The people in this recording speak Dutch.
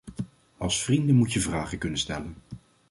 Als vrienden moet je vragen kunnen stellen.